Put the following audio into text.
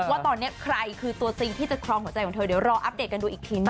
ว่าตอนนี้ใครคือตัวจริงที่จะครองหัวใจของเธอเดี๋ยวรออัปเดตกันดูอีกที